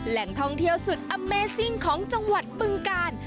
แหล่งท่องเที่ยวสุดอเมซิ่งของจังหวัดบึงกาล